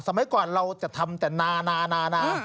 สมัยก่อนเราจะทำแต่นานา